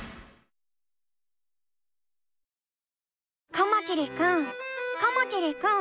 カマキリくんカマキリくん。